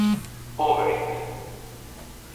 Over It